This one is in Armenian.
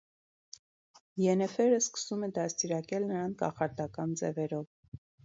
Յեննեֆերն սկսում է դաստիարակել նրան կախարդկան ձևերով։